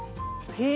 へえ。